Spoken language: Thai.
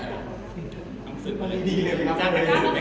คำสั่งมาเรื่องดีเลยนะครับ